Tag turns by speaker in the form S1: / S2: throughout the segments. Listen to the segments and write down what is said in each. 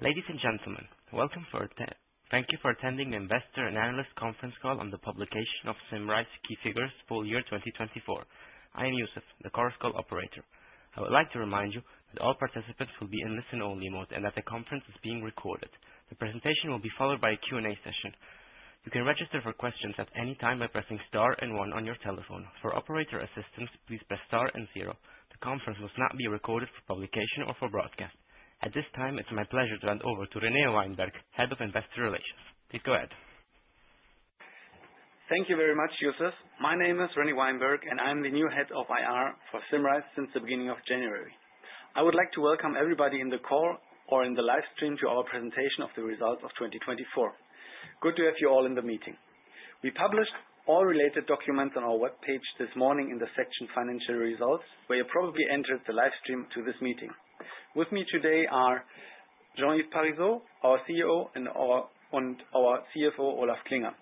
S1: Ladies and gentlemen, welcome. Thank you for attending the Investor and Analyst Conference Call on the publication of Symrise Key Figures for the year 2024. I am Youssef, the conference call operator. I would like to remind you that all participants will be in listen-only mode and that the conference is being recorded. The presentation will be followed by a Q&A session. You can register for questions at any time by pressing star and one on your telephone. For operator assistance, please press star and zero. The conference will not be recorded for publication or for broadcast. At this time, it's my pleasure to hand over to René Weinberg, Head of Investor Relations. Please go ahead.
S2: Thank you very much, Youssef. My name is René Weinberg, and I'm the new Head of IR for Symrise since the beginning of January. I would like to welcome everybody in the call or in the live stream to our presentation of the results of 2024. Good to have you all in the meeting. We published all related documents on our web page this morning in the section Financial Results, where you probably entered the live stream to this meeting. With me today are Jean-Yves Parisot, our CEO, and our CFO, Olaf Klinger.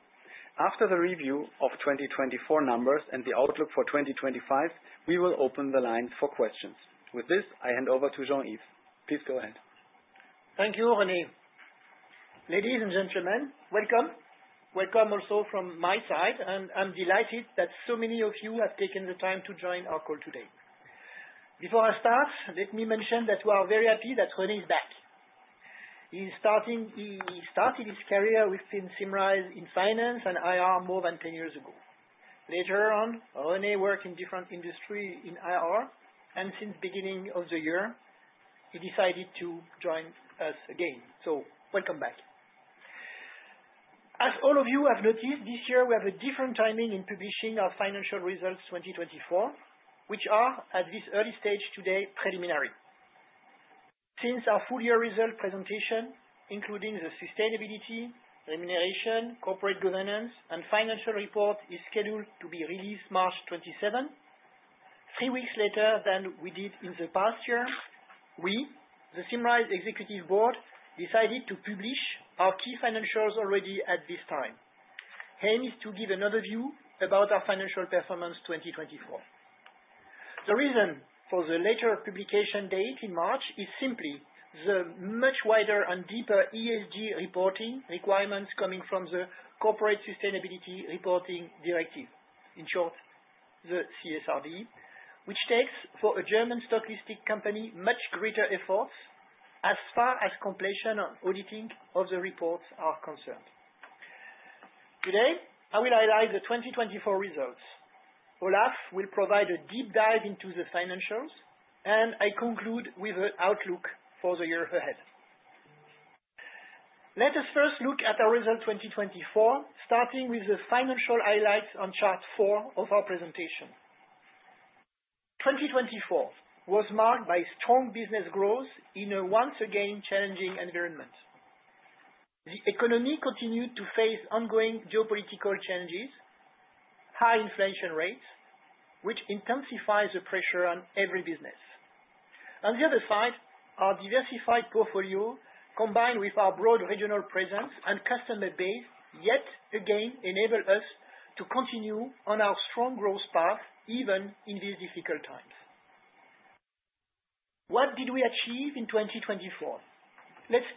S2: After the review of 2024 numbers and the outlook for 2025, we will open the lines for questions. With this, I hand over to Jean-Yves. Please go ahead.
S3: Thank you, René. Ladies and gentlemen, welcome. Welcome also from my side, and I'm delighted that so many of you have taken the time to join our call today. Before I start, let me mention that we are very happy that René is back. He started his career within Symrise in finance and IR more than 10 years ago. Later on, René worked in different industries in IR, and since the beginning of the year, he decided to join us again, so welcome back. As all of you have noticed, this year, we have a different timing in publishing our financial results 2024, which are, at this early stage today, preliminary. Since our full-year result presentation, including the sustainability, remuneration, corporate governance, and financial report, is scheduled to be released March 27th, three weeks later than we did in the past year, we, the Symrise Executive Board, decided to publish our key financials already at this time. The aim is to give an overview about our financial performance 2024. The reason for the later publication date in March is simply the much wider and deeper ESG reporting requirements coming from the Corporate Sustainability Reporting Directive, in short, the CSRD, which takes for a German stock-listed company much greater efforts as far as completion and auditing of the reports are concerned. Today, I will highlight the 2024 results. Olaf will provide a deep dive into the financials, and I conclude with an outlook for the year ahead. Let us first look at our result 2024, starting with the financial highlights on chart four of our presentation. 2024 was marked by strong business growth in a once again challenging environment. The economy continued to face ongoing geopolitical changes, high inflation rates, which intensifies the pressure on every business. On the other side, our diversified portfolio, combined with our broad regional presence and customer base, yet again enabled us to continue on our strong growth path even in these difficult times. What did we achieve in 2024? Let's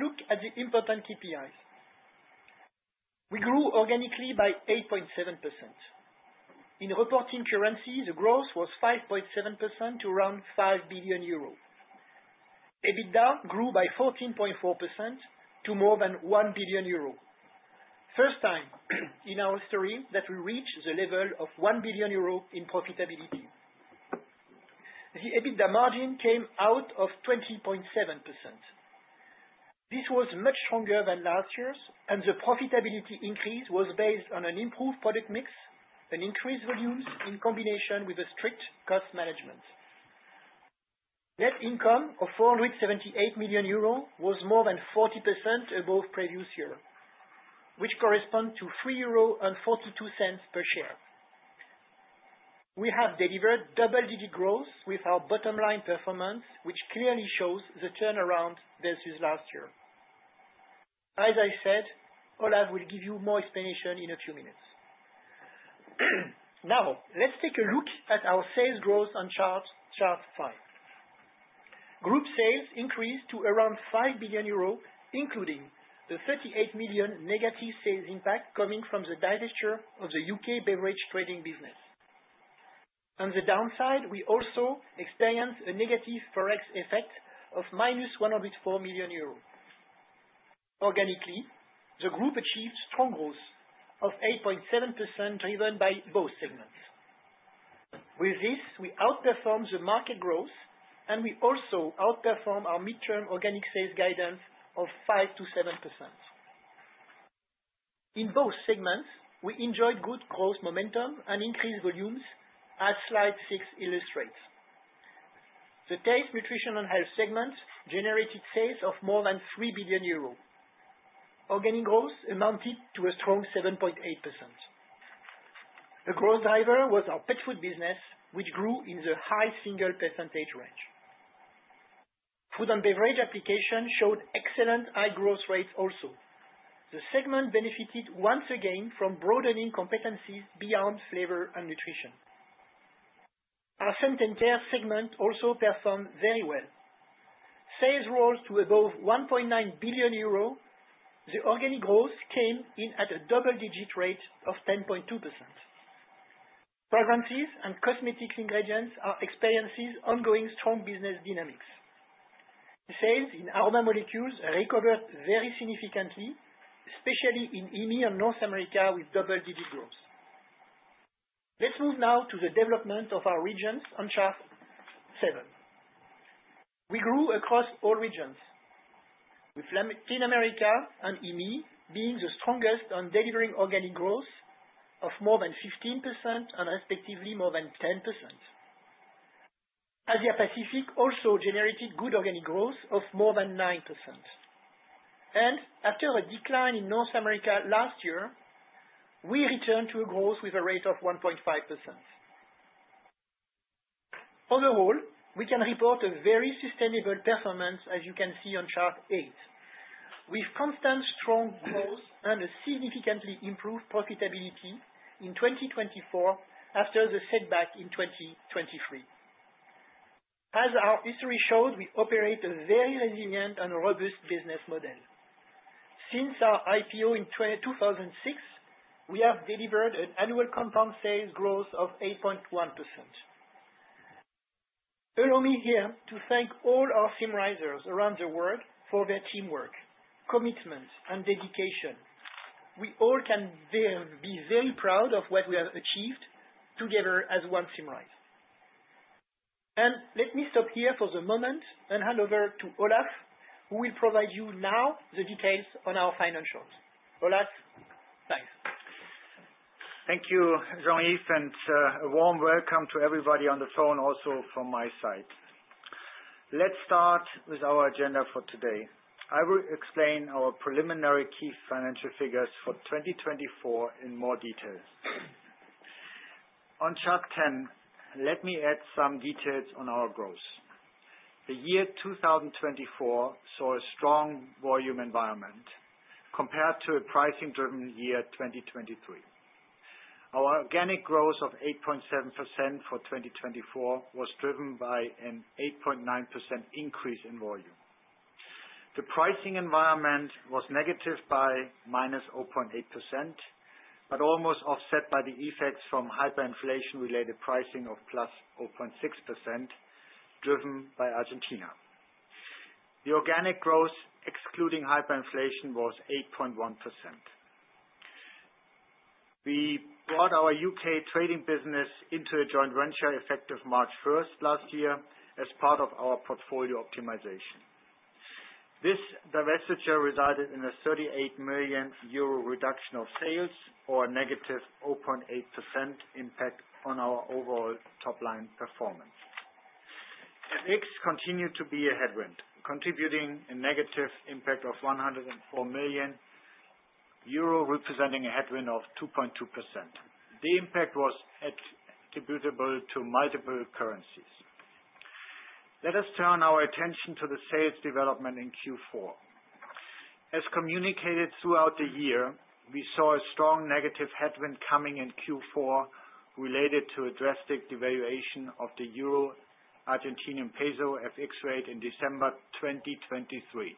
S3: look at the important KPIs. We grew organically by 8.7%. In reporting currency, the growth was 5.7% to around 5 billion euro. EBITDA grew by 14.4% to more than 1 billion euro. First time in our history that we reached the level of 1 billion euro in profitability. The EBITDA margin came out of 20.7%. This was much stronger than last year's, and the profitability increase was based on an improved product mix, an increased volumes in combination with strict cost management. Net income of 478 million euros was more than 40% above previous year, which corresponds to 3.42 euros per share. We have delivered double-digit growth with our bottom-line performance, which clearly shows the turnaround versus last year. As I said, Olaf will give you more explanation in a few minutes. Now, let's take a look at our sales growth on chart five. Group sales increased to around 5 billion euros, including the 38 million negative sales impact coming from the divestiture of the U.K. beverage trading business. On the downside, we also experienced a negative forex effect of minus 104 million euros. Organically, the group achieved strong growth of 8.7% driven by both segments. With this, we outperformed the market growth, and we also outperformed our midterm organic sales guidance of 5%-7%. In both segments, we enjoyed good growth momentum and increased volumes, as slide six illustrates. The Taste, Nutrition & Health segment generated sales of more than 3 billion euros. Organic growth amounted to a strong 7.8%. The growth driver was our Pet Food business, which grew in the high single percentage range. Food & Beverage applications showed excellent high growth rates also. The segment benefited once again from broadening competencies beyond flavor and nutrition. Our Scent & Care segment also performed very well. Sales rose to above 1.9 billion euros. The organic growth came in at a double-digit rate of 10.2%. Fragrances and Cosmetic Ingredients are experiencing ongoing strong business dynamics. Sales in Aroma Molecules recovered very significantly, especially in EAME and North America with double-digit growth. Let's move now to the development of our regions on chart seven. We grew across all regions, with Latin America and EAME being the strongest on delivering organic growth of more than 15% and respectively more than 10%. Asia-Pacific also generated good organic growth of more than 9%. And after a decline in North America last year, we returned to a growth with a rate of 1.5%. Overall, we can report a very sustainable performance, as you can see on chart eight, with constant strong growth and a significantly improved profitability in 2024 after the setback in 2023. As our history showed, we operate a very resilient and robust business model. Since our IPO in 2006, we have delivered an annual compound sales growth of 8.1%. Allow me here to thank all our Symrisers around the world for their teamwork, commitment, and dedication. We all can be very proud of what we have achieved together as OneSymrise, and let me stop here for the moment and hand over to Olaf, who will provide you now the details on our financials. Olaf, thanks.
S4: Thank you, Jean-Yves, and a warm welcome to everybody on the phone also from my side. Let's start with our agenda for today. I will explain our preliminary key financial figures for 2024 in more detail. On Chart 10, let me add some details on our growth. The year 2024 saw a strong volume environment compared to a pricing-driven year 2023. Our organic growth of 8.7% for 2024 was driven by an 8.9% increase in volume. The pricing environment was negative by minus 0.8%, but almost offset by the effects from hyperinflation-related pricing of plus 0.6% driven by Argentina. The organic growth, excluding hyperinflation, was 8.1%. We brought our U.K. trading business into a joint venture effective March 1st last year as part of our portfolio optimization. This divestiture resulted in a 38 million euro reduction of sales or a negative 0.8% impact on our overall top-line performance. FX continued to be a headwind, contributing a negative impact of 104 million euro, representing a headwind of 2.2%. The impact was attributable to multiple currencies. Let us turn our attention to the sales development in Q4. As communicated throughout the year, we saw a strong negative headwind coming in Q4 related to a drastic devaluation of the euro-Argentinian peso FX rate in December 2023.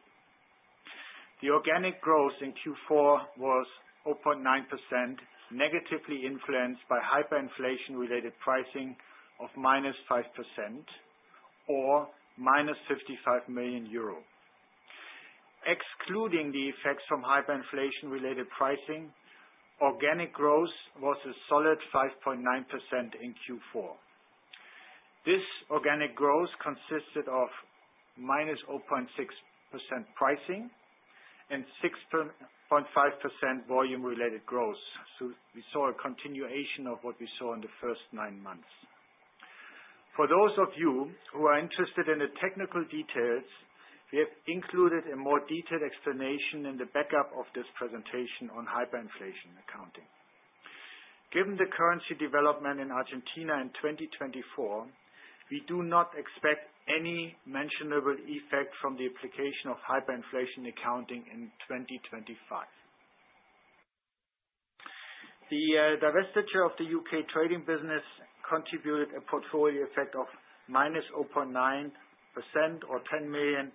S4: The organic growth in Q4 was 0.9%, negatively influenced by hyperinflation-related pricing of minus 5% or minus 55 million euro. Excluding the effects from hyperinflation-related pricing, organic growth was a solid 5.9% in Q4. This organic growth consisted of minus 0.6% pricing and 6.5% volume-related growth. So we saw a continuation of what we saw in the first nine months. For those of you who are interested in the technical details, we have included a more detailed explanation in the backup of this presentation on hyperinflation accounting. Given the currency development in Argentina in 2024, we do not expect any mentionable effect from the application of hyperinflation accounting in 2025. The divestiture of the U.K. trading business contributed a portfolio effect of -0.9% or 10 million,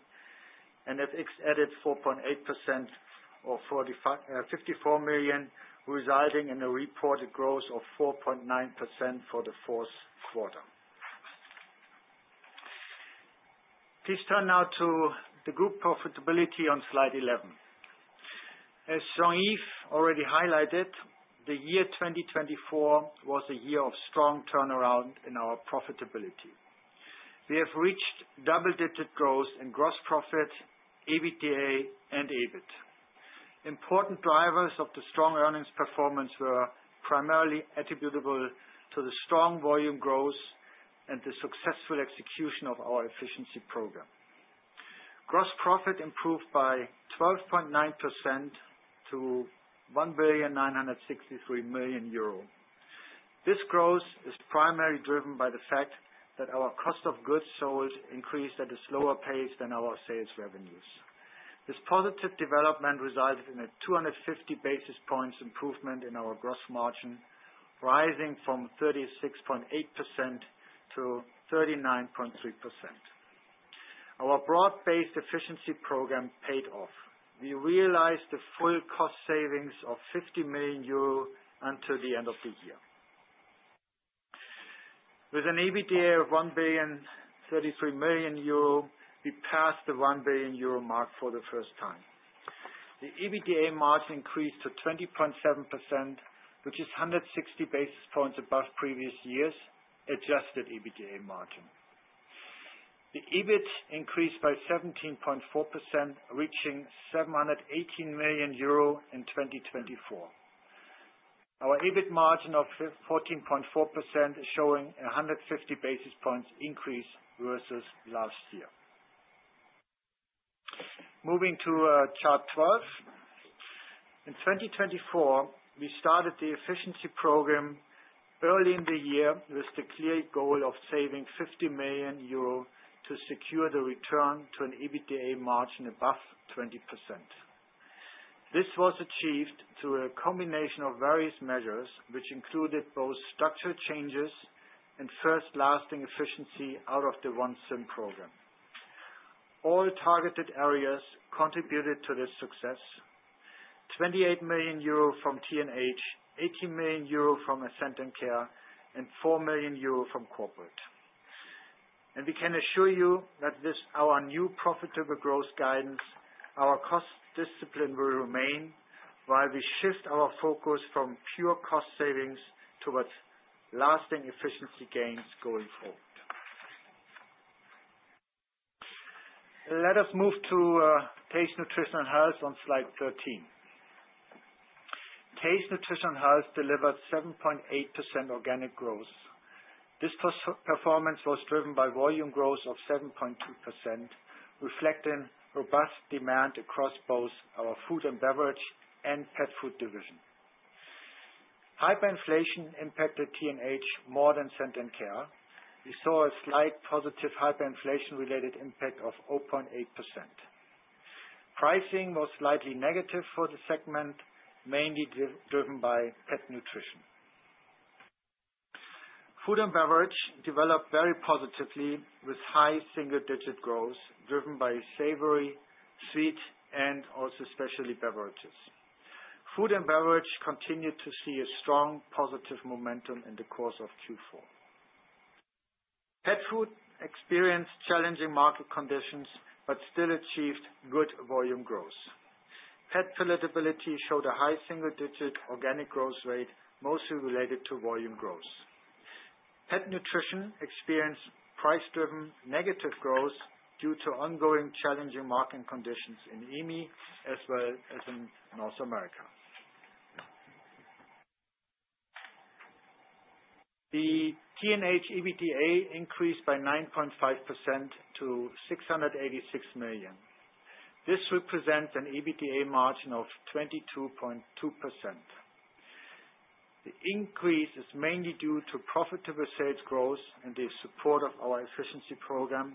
S4: and FX added 4.8% or 54 million, resulting in a reported growth of 4.9% for the fourth quarter. Please turn now to the group profitability on slide 11. As Jean-Yves already highlighted, the year 2024 was a year of strong turnaround in our profitability. We have reached double-digit growth in gross profit, EBITDA, and EBIT. Important drivers of the strong earnings performance were primarily attributable to the strong volume growth and the successful execution of our efficiency program. Gross profit improved by 12.9% to EUR 1 billion 963 million. This growth is primarily driven by the fact that our cost of goods sold increased at a slower pace than our sales revenues. This positive development resulted in a 250 basis points improvement in our gross margin, rising from 36.8%-39.3%. Our broad-based efficiency program paid off. We realized the full cost savings of 50 million euro until the end of the year. With an EBITDA of 1 billion 33 million, we passed the 1 billion euro mark for the first time. The EBITDA margin increased to 20.7%, which is 160 basis points above previous year's adjusted EBITDA margin. The EBIT increased by 17.4%, reaching 718 million euro in 2024. Our EBIT margin of 14.4% is showing a 150 basis points increase versus last year. Moving to chart 12. In 2024, we started the efficiency program early in the year with the clear goal of saving 50 million euro to secure the return to an EBITDA margin above 20%. This was achieved through a combination of various measures, which included both structural changes and lasting efficiency out of the OneSymrise program. All targeted areas contributed to this success: 28 million euro from TNH, 80 million euro from Scent & Care, and 4 million euro from corporate. And we can assure you that with our new profitable growth guidance, our cost discipline will remain while we shift our focus from pure cost savings towards lasting efficiency gains going forward. Let us move to taste, nutrition, and health on slide 13. Taste, nutrition, and health delivered 7.8% organic growth. This performance was driven by volume growth of 7.2%, reflecting robust demand across both our food and beverage and Pet Food division. Hyperinflation impacted TNH more than Scent & Care. We saw a slight positive hyperinflation-related impact of 0.8%. Pricing was slightly negative for the segment, mainly driven by pet nutrition. Food and beverage developed very positively with high single-digit growth driven by savory, sweet, and also specialty beverages. Food and beverage continued to see a strong positive momentum in the course of Q4. Pet food experienced challenging market conditions but still achieved good volume growth. Pet palatability showed a high single-digit organic growth rate, mostly related to volume growth. Pet Nutrition experienced price-driven negative growth due to ongoing challenging market conditions in EAME as well as in North America. The TNH EBITDA increased by 9.5% to 686 million. This represents an EBITDA margin of 22.2%. The increase is mainly due to profitable sales growth and the support of our efficiency program.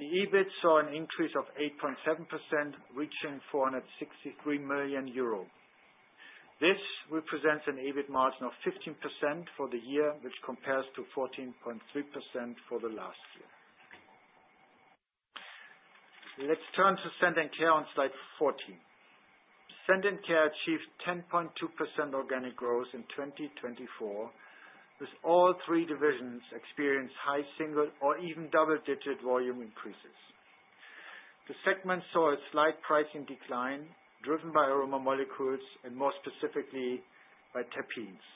S4: The EBIT saw an increase of 8.7%, reaching 463 million euro. This represents an EBIT margin of 15% for the year, which compares to 14.3% for the last year. Let's turn to Scent & Care on slide 14. Scent & Care achieved 10.2% organic growth in 2024, with all three divisions experiencing high single or even double-digit volume increases. The segment saw a slight pricing decline driven by aroma molecules and more specifically by terpenes.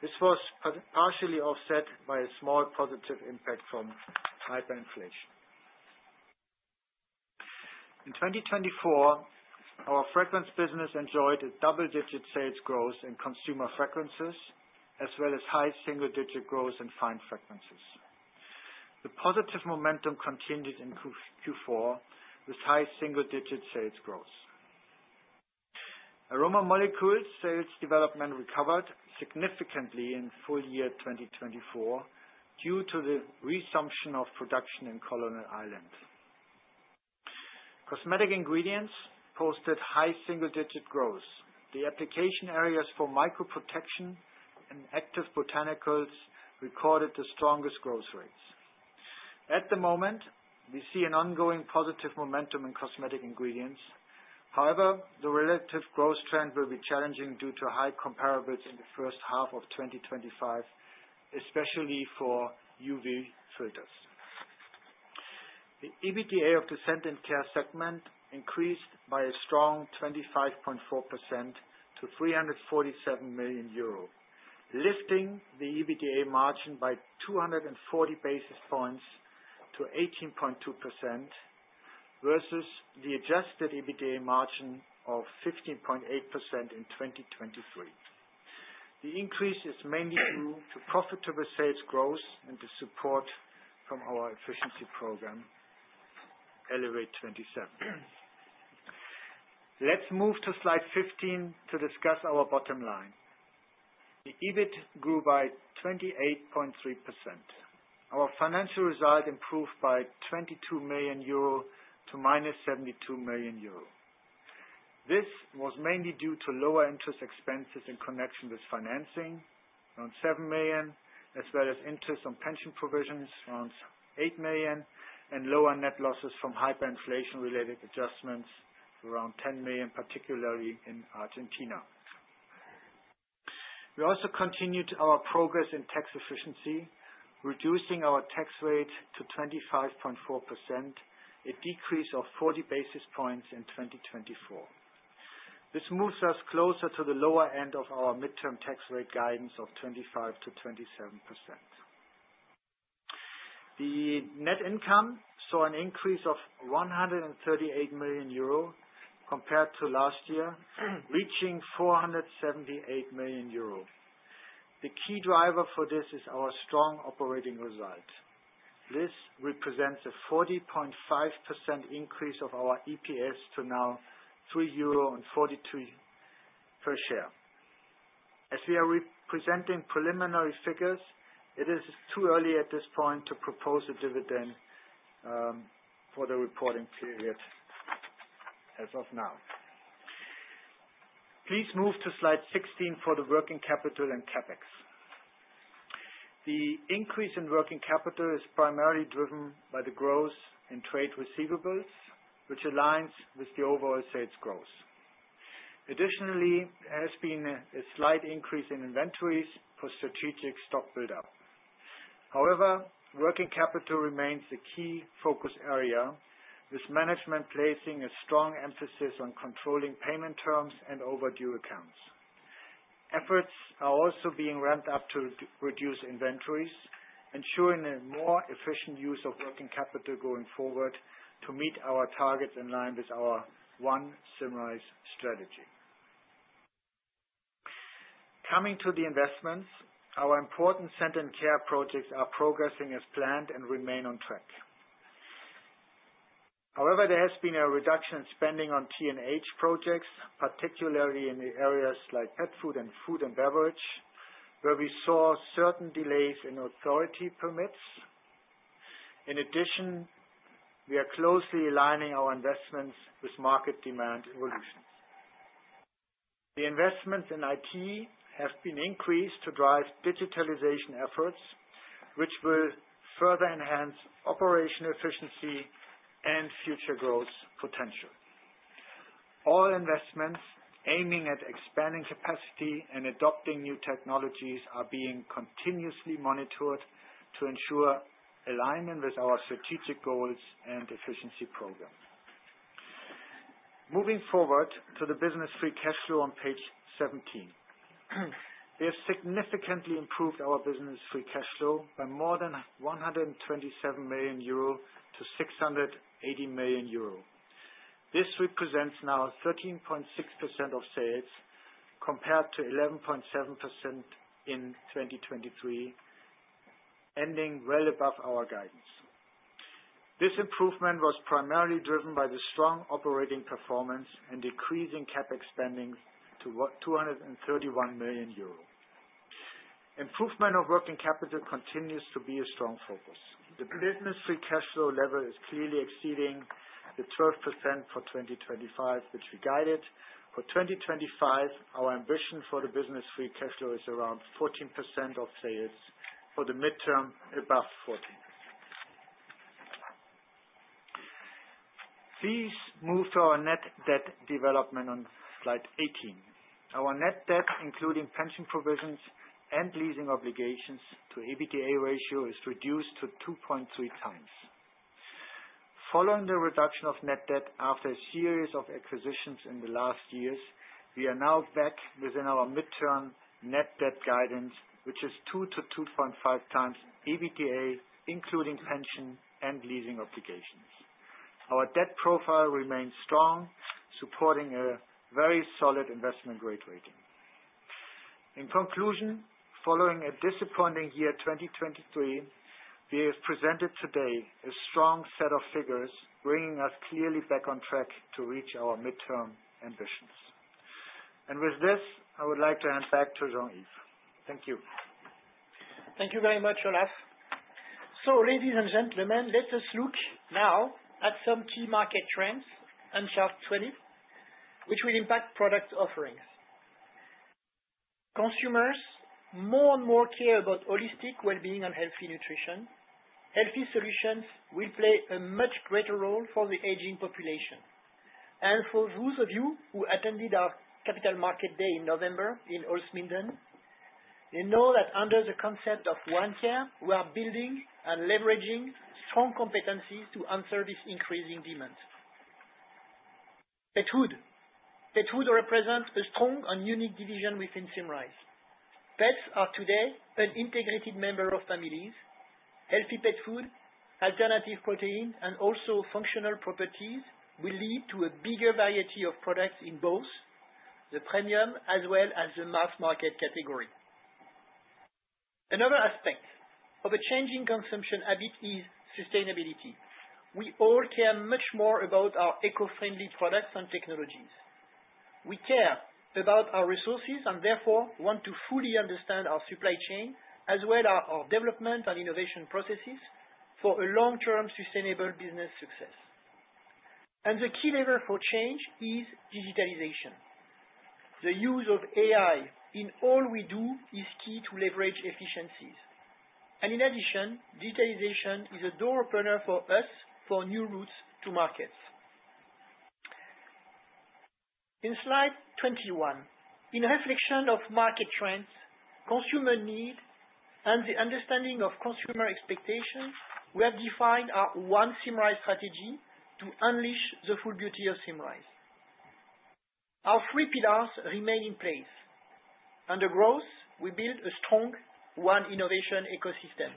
S4: This was partially offset by a small positive impact from hyperinflation. In 2024, our fragrance business enjoyed a double-digit sales growth in Consumer Fragrances, as well as high single-digit growth in Fine Fragrances. The positive momentum continued in Q4 with high single-digit sales growth. Aroma molecules sales development recovered significantly in full year 2024 due to the resumption of production in Colonel's Island. Cosmetic Ingredients posted high single-digit growth. The application areas for Micro Protection and Active Botanicals recorded the strongest growth rates. At the moment, we see an ongoing positive momentum in Cosmetic Ingredients. However, the relative growth trend will be challenging due to high comparables in the first half of 2025, especially for UV Filters. The EBITDA of the Scent & Care segment increased by a strong 25.4% to 347 million euro, lifting the EBITDA margin by 240 basis points to 18.2% versus the adjusted EBITDA margin of 15.8% in 2023. The increase is mainly due to profitable sales growth and the support from our efficiency program, Elevate 27. Let's move to slide 15 to discuss our bottom line. The EBIT grew by 28.3%. Our financial result improved by 22 million euro to minus 72 million euro. This was mainly due to lower interest expenses in connection with financing around 7 million, as well as interest on pension provisions around 8 million, and lower net losses from hyperinflation-related adjustments around 10 million, particularly in Argentina. We also continued our progress in tax efficiency, reducing our tax rate to 25.4%, a decrease of 40 basis points in 2024. This moves us closer to the lower end of our midterm tax rate guidance of 25%-27%. The net income saw an increase of 138 million euro compared to last year, reaching 478 million euro. The key driver for this is our strong operating result. This represents a 40.5% increase of our EPS to now 3.42 euro per share. As we are presenting preliminary figures, it is too early at this point to propose a dividend for the reporting period as of now. Please move to slide 16 for the working capital and CapEx. The increase in working capital is primarily driven by the growth in trade receivables, which aligns with the overall sales growth. Additionally, there has been a slight increase in inventories for strategic stock buildup. However, working capital remains the key focus area, with management placing a strong emphasis on controlling payment terms and overdue accounts. Efforts are also being ramped up to reduce inventories, ensuring a more efficient use of working capital going forward to meet our targets in line with our OneSymrise strategy. Coming to the investments, our important Scent & Care projects are progressing as planned and remain on track. However, there has been a reduction in spending on TNH projects, particularly in areas like Pet Food and food and beverage, where we saw certain delays in authority permits. In addition, we are closely aligning our investments with market demand evolutions. The investments in IT have been increased to drive digitalization efforts, which will further enhance operational efficiency and future growth potential. All investments aiming at expanding capacity and adopting new technologies are being continuously monitored to ensure alignment with our strategic goals and efficiency program. Moving forward to the Business Free Cash Flow on page 17. We have significantly improved our Business Free Cash low by more than 127 million euro to 680 million euro. This represents now 13.6% of sales compared to 11.7% in 2023, ending well above our guidance. This improvement was primarily driven by the strong operating performance and decreasing CapEx spending to 231 million euros. Improvement of working capital continues to be a strong focus. The Business Free Cash Flow level is clearly exceeding the 12% for 2025, which we guided. For 2025, our ambition for the Business Free Cash Flow is around 14% of sales for the midterm above 14%. Please move to our net debt development on slide 18. Our net debt, including pension provisions and leasing obligations, to EBITDA ratio is reduced to 2.3 times. Following the reduction of net debt after a series of acquisitions in the last years, we are now back within our midterm net debt guidance, which is 2-2.5 times EBITDA, including pension and leasing obligations. Our debt profile remains strong, supporting a very solid investment grade rating. In conclusion, following a disappointing year 2023, we have presented today a strong set of figures, bringing us clearly back on track to reach our midterm ambitions. And with this, I would like to hand back to Jean-Yves. Thank you.
S3: Thank you very much, Olaf. So, ladies and gentlemen, let us look now at some key market trends on chart 20, which will impact product offerings. Consumers more and more care about holistic well-being and healthy nutrition. Healthy solutions will play a much greater role for the aging population. And for those of you who attended our capital market day in November in Holzminden, you know that under the concept of OneCare, we are building and leveraging strong competencies to answer this increasing demand. Pet food. Pet food represents a strong and unique division within Symrise. Pets are today an integrated member of families. Healthy Pet Food, alternative protein, and also functional properties will lead to a bigger variety of products in both the premium as well as the mass market category. Another aspect of a changing consumption habit is sustainability. We all care much more about our eco-friendly products and technologies. We care about our resources and therefore want to fully understand our supply chain as well as our development and innovation processes for a long-term sustainable business success. And the key lever for change is digitalization. The use of AI in all we do is key to leverage efficiencies. And in addition, digitalization is a door opener for us for new routes to markets. In slide 21, in reflection of market trends, consumer need, and the understanding of consumer expectations, we have defined our OneSymrise strategy to unleash the full beauty of Symrise. Our three pillars remain in place. Under growth, we build a strong One Innovation ecosystem.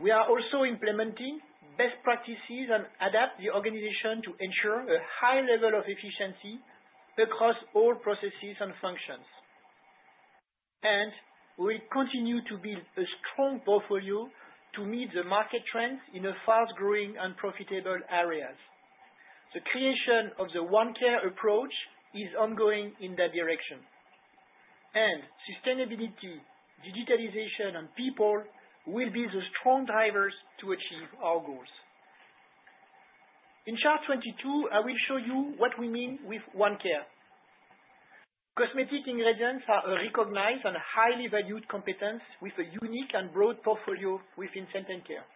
S3: We are also implementing best practices and adapt the organization to ensure a high level of efficiency across all processes and functions. And we continue to build a strong portfolio to meet the market trends in the fast-growing and profitable areas. The creation of the OneCare approach is ongoing in that direction, and sustainability, digitalization, and people will be the strong drivers to achieve our goals. In Chart 22, I will show you what we mean with OneCare. Cosmetic ingredients are a recognized and highly valued competence with a unique and broad portfolio within Scent & Care.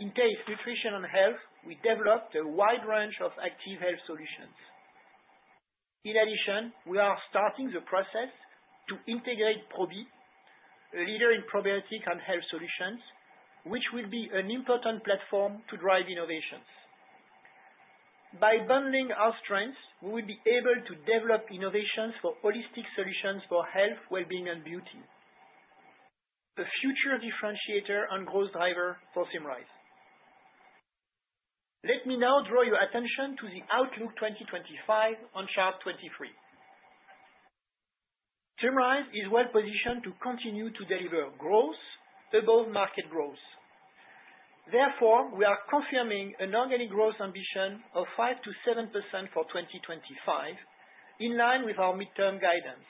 S3: In Taste, Nutrition, and Health, we developed a wide range of active health solutions. In addition, we are starting the process to integrate Probi, a leader in probiotic and health solutions, which will be an important platform to drive innovations. By bundling our strengths, we will be able to develop innovations for holistic solutions for health, well-being, and beauty. A future differentiator and growth driver for Symrise. Let me now draw your attention to the Outlook 2025 on Chart 23. Symrise is well positioned to continue to deliver growth above market growth. Therefore, we are confirming an organic growth ambition of 5%-7% for 2025, in line with our midterm guidance.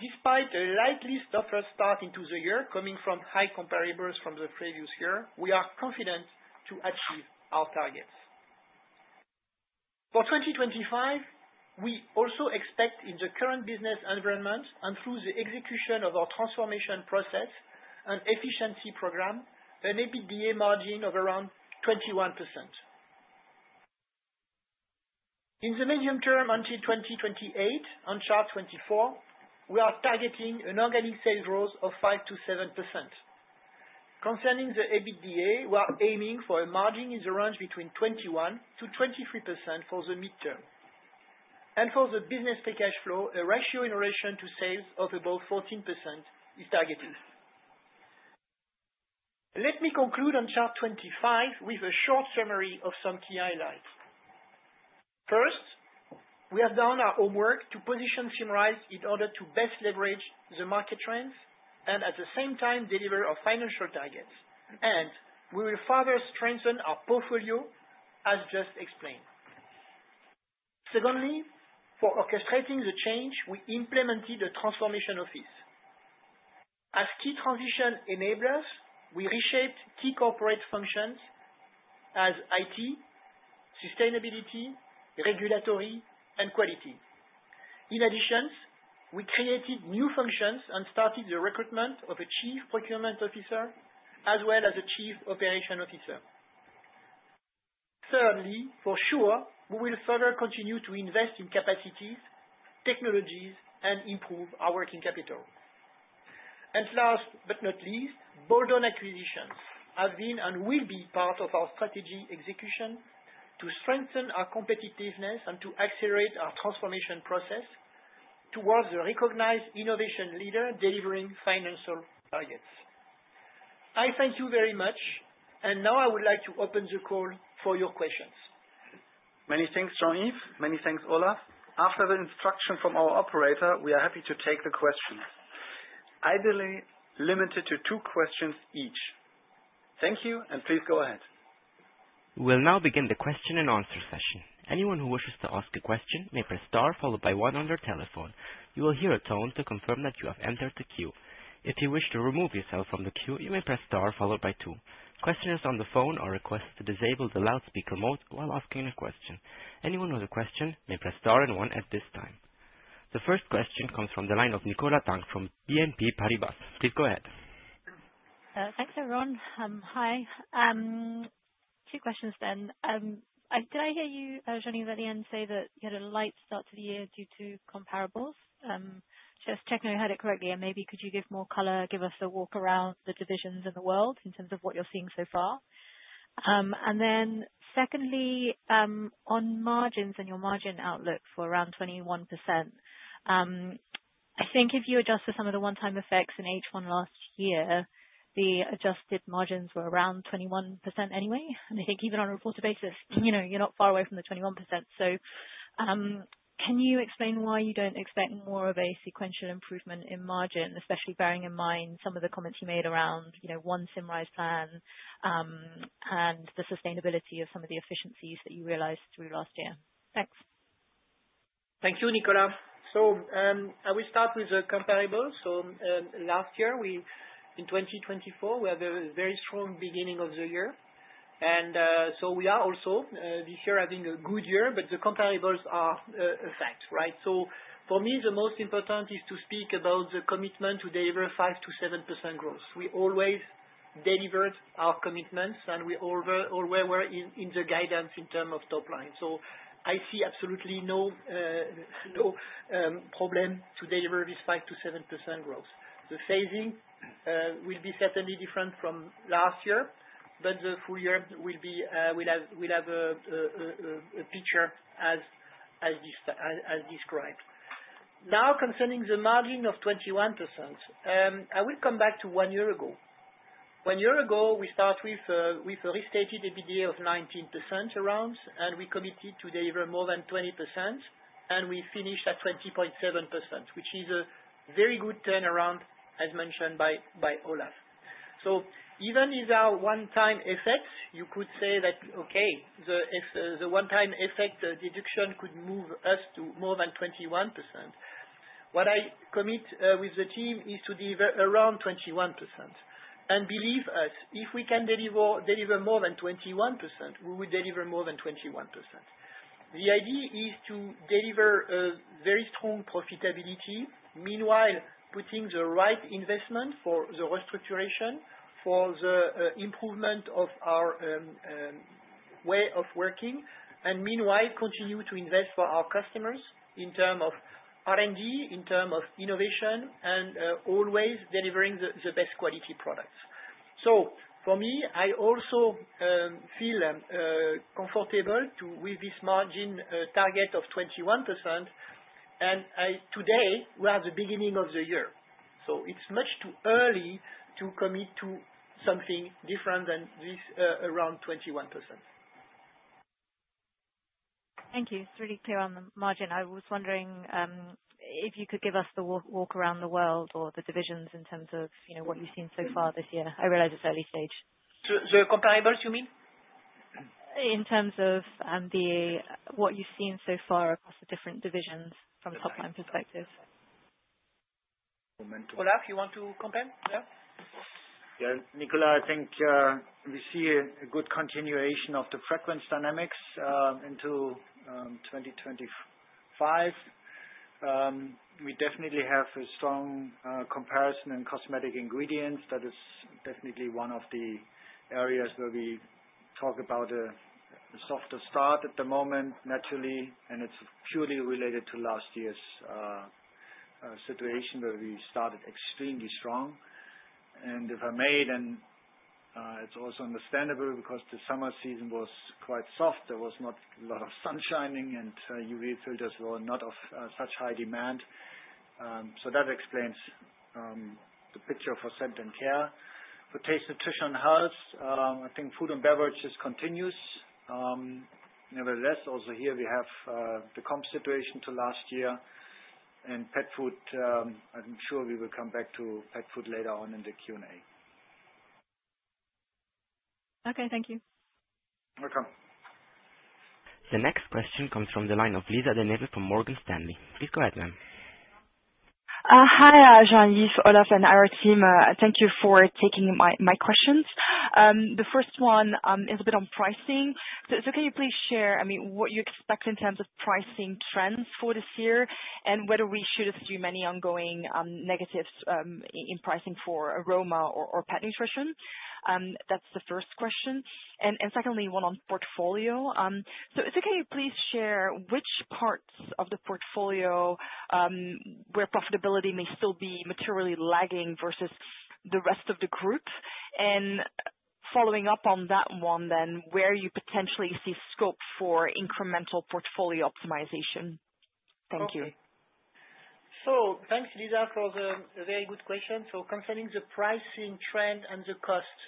S3: Despite a slightly soft start into the year coming from high comparables from the previous year, we are confident to achieve our targets. For 2025, we also expect in the current business environment and through the execution of our transformation process and efficiency program, an EBITDA margin of around 21%. In the medium term until 2028, on chart 24, we are targeting an organic sales growth of 5-7%. Concerning the EBITDA, we are aiming for a margin in the range between 21%-23% for the midterm. And for the Business Free Cash Flow, a ratio in relation to sales of above 14% is targeted. Let me conclude on chart 25 with a short summary of some key highlights. First, we have done our homework to position Symrise in order to best leverage the market trends and at the same time deliver our financial targets. And we will further strengthen our portfolio, as just explained. Secondly, for orchestrating the change, we implemented a transformation office. As key transition enablers, we reshaped key corporate functions such as IT, sustainability, regulatory, and quality. In addition, we created new functions and started the recruitment of a chief procurement officer as well as a chief operating officer. Thirdly, for sure, we will further continue to invest in capacities, technologies, and improve our working capital. And last but not least, bolt-on acquisitions have been and will be part of our strategy execution to strengthen our competitiveness and to accelerate our transformation process towards a recognized innovation leader delivering financial targets. I thank you very much. Now I would like to open the call for your questions.
S2: Many thanks, Jean-Yves. Many thanks, Olaf. After the instruction from our operator, we are happy to take the questions. Ideally, limited to two questions each. Thank you, and please go ahead.
S1: We'll now begin the question and answer session. Anyone who wishes to ask a question may press star followed by one on their telephone. You will hear a tone to confirm that you have entered the queue. If you wish to remove yourself from the queue, you may press star followed by two. Questioners on the phone are requested to disable the loudspeaker mode while asking a question. Anyone with a question may press star and one at this time. The first question comes from the line of Nicola Tang from BNP Paribas. Please go ahead.
S5: Thanks, everyone. Hi. Two questions then. Did I hear you, Jean-Yves, at the end say that you had a light start to the year due to comparables? Just checking if I heard it correctly. And maybe could you give more color, give us a walk around the divisions in the world in terms of what you're seeing so far? And then secondly, on margins and your margin outlook for around 21%, I think if you adjust for some of the one-time effects in H1 last year, the adjusted margins were around 21% anyway. And I think even on a reported basis, you're not far away from the 21%. So can you explain why you don't expect more of a sequential improvement in margin, especially bearing in mind some of the comments you made around the OneSymrise plan and the sustainability of some of the efficiencies that you realized through last year? Thanks.
S3: Thank you, Nicola. So I will start with the comparables. So last year, in 2024, we had a very strong beginning of the year. And so we are also this year having a good year, but the comparables are a fact, right? So for me, the most important is to speak about the commitment to deliver 5%-7% growth. We always delivered our commitments, and we always were in the guidance in terms of top line. So I see absolutely no problem to deliver this 5%-7% growth. The phasing will be certainly different from last year, but the full year will have a picture as described. Now, concerning the margin of 21%, I will come back to one year ago. One year ago, we start with a restated EBITDA of 19% around, and we committed to deliver more than 20%, and we finished at 20.7%, which is a very good turnaround, as mentioned by Olaf, so even these are one-time effects. You could say that, okay, the one-time effect deduction could move us to more than 21%. What I commit with the team is to deliver around 21%, and believe us, if we can deliver more than 21%, we will deliver more than 21%. The idea is to deliver a very strong profitability, meanwhile putting the right investment for the restructuring, for the improvement of our way of working, and meanwhile continue to invest for our customers in terms of R&D, in terms of innovation, and always delivering the best quality products, so for me, I also feel comfortable with this margin target of 21%. And today, we are at the beginning of the year. So it's much too early to commit to something different than this around 21%.
S5: Thank you. It's really clear on the margin. I was wondering if you could give us the walk around the world or the divisions in terms of what you've seen so far this year. I realize it's early stage.
S3: The comparables, you mean?
S5: In terms of what you've seen so far across the different divisions from a top-line perspective.
S3: Olaf, you want to compare? Yeah.
S4: Nicola, I think we see a good continuation of the frequency dynamics into 2025. We definitely have a strong comparison in cosmetic ingredients. That is definitely one of the areas where we talk about a softer start at the moment, naturally, and it's purely related to last year's situation where we started extremely strong. And if I may, then it's also understandable because the summer season was quite soft. There was not a lot of sunshine, and UV filters were not of such high demand. So that explains the picture for Scent & Care. For Taste, Nutrition, and Health, I think food and beverages continues. Nevertheless, also here, we have the comp situation to last year. And Pet Food, I'm sure we will come back to Pet Food later on in the Q&A.
S5: Okay. Thank you.
S4: Welcome.
S1: The next question comes from the line of Lisa De Neve from Morgan Stanley. Please go ahead, ma'am.
S6: Hi, Jean-Yves, Olaf, and our team. Thank you for taking my questions. The first one is a bit on pricing. So can you please share what you expect in terms of pricing trends for this year and whether we should assume any ongoing negatives in pricing for aroma or pet nutrition? That's the first question. And secondly, one on portfolio. So if you can please share which parts of the portfolio where profitability may still be materially lagging versus the rest of the group. And following up on that one, then where you potentially see scope for incremental portfolio optimization. Thank you.
S3: So thanks, Lisa, for the very good question. So concerning the pricing trend and the cost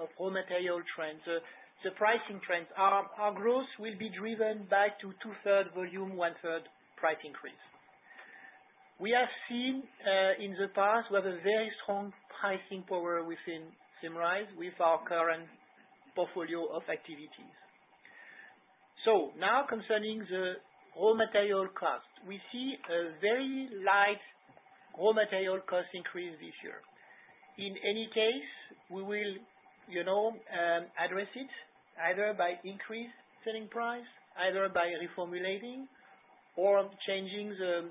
S3: of raw material trends, the pricing trends, our growth will be driven back to two-thirds volume, one-third price increase. We have seen in the past, we have a very strong pricing power within Symrise with our current portfolio of activities. Now, concerning the raw material cost, we see a very light raw material cost increase this year. In any case, we will address it either by increasing selling price, either by reformulating or changing the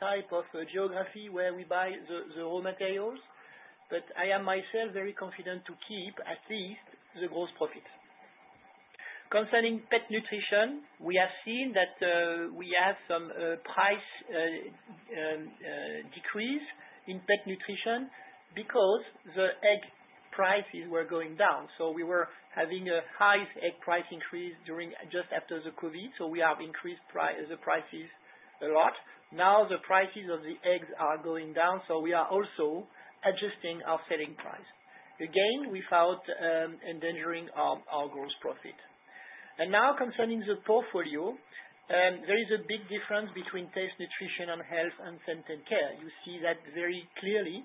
S3: type of geography where we buy the raw materials. I am myself very confident to keep at least the gross profit. Concerning Pet Nutrition, we have seen that we have some price decrease in Pet Nutrition because the egg prices were going down. So we were having a high egg price increase just after the COVID. So we have increased the prices a lot. Now, the prices of the eggs are going down. So we are also adjusting our selling price. Again, without endangering our gross profit. Now, concerning the portfolio, there is a big difference between Taste, Nutrition, and Health and Scent & Care. You see that very clearly.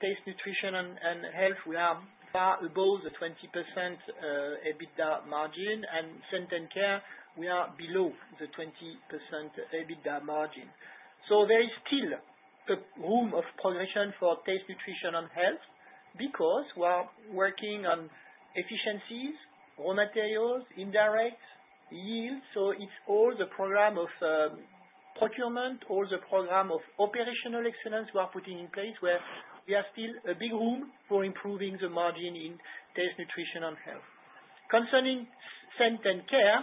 S3: Taste, Nutrition, and Health, we are far above the 20% EBITDA margin. And Scent & Care, we are below the 20% EBITDA margin. So there is still room of progression for Taste, Nutrition, and Health because we are working on efficiencies, raw materials, indirect yield. So it's all the program of procurement, all the program of operational excellence we are putting in place where we have still a big room for improving the margin in Taste, Nutrition, and Health. Concerning Scent & Care,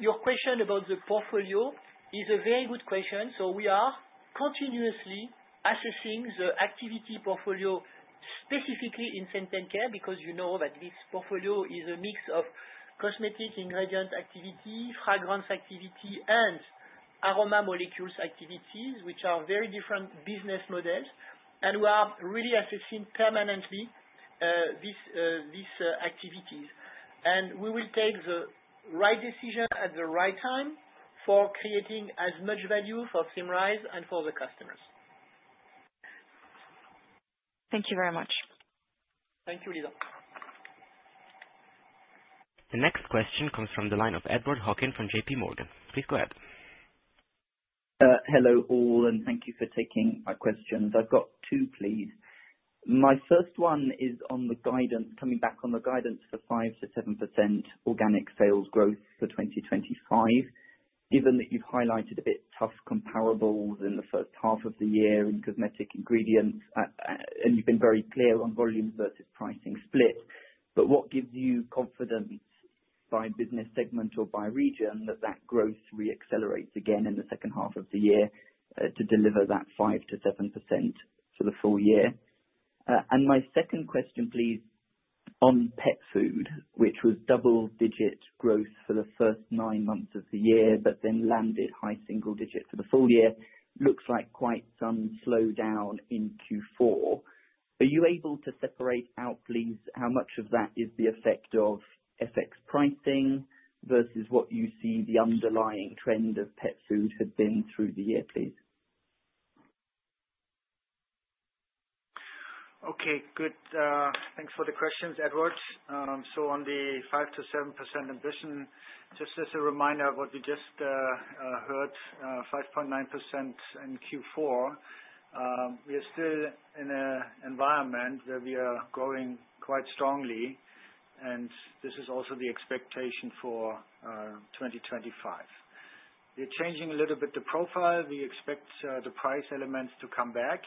S3: your question about the portfolio is a very good question. So we are continuously assessing the activity portfolio specifically in Scent & Care because you know that this portfolio is a mix of cosmetic ingredient activity, fragrance activity, and aroma molecules activities, which are very different business models. And we are really assessing permanently these activities. And we will take the right decision at the right time for creating as much value for Symrise and for the customers.
S6: Thank you very much.
S3: Thank you, Lisa.
S1: The next question comes from the line of Edward Hockin from J.P. Morgan. Please go ahead.
S7: Hello all, and thank you for taking my questions. I've got two, please. My first one is on the guidance, coming back on the guidance for 5%-7% organic sales growth for 2025, given that you've highlighted a bit tough comparables in the first half of the year in cosmetic ingredients, and you've been very clear on volume versus pricing split. But what gives you confidence by business segment or by region that that growth re-accelerates again in the second half of the year to deliver that 5%-7% for the full year? My second question, please, on Pet Food, which was double-digit growth for the first nine months of the year, but then landed high single digit for the full year, looks like quite some slowdown into Q4. Are you able to separate out, please, how much of that is the effect of FX pricing versus what you see the underlying trend of Pet Food has been through the year, please?
S4: Okay. Good. Thanks for the questions, Edward. So on the 5%-7% ambition, just as a reminder of what we just heard, 5.9% in Q4, we are still in an environment where we are growing quite strongly, and this is also the expectation for 2025. We are changing a little bit the profile. We expect the price elements to come back,